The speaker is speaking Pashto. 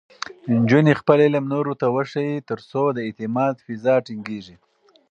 نجونې خپل علم نورو ته وښيي، ترڅو د اعتماد فضا ټینګېږي.